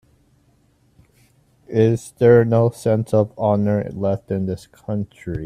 Is there no sense of honor left in this country?